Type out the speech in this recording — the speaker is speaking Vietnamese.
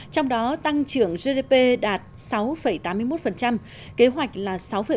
trong đó tăng trưởng gdp đạt sáu tám mươi một kế hoạch là sáu bảy